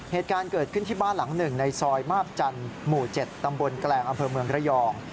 เหตุการณ์เกิดขึ้นที่บ้านหลังหนึ่งในซอยมาบจันทร์หมู่๗ตำบลแกลงอำเภอเมืองระยอง